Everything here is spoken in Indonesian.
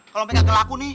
kalo mereka gak laku nih